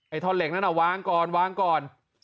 ไอ้ท่อนเหล็กนั้นอะวางก่อน